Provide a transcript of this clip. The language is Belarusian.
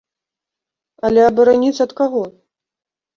Але абараніць ад каго?